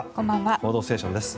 「報道ステーション」です。